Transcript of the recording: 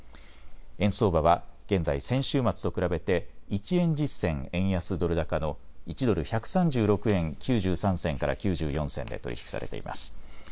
円相場は現在、先週末と比べて１円１０銭円安ドル高の１ドル１３６円９３銭から９４銭で取り引きされています。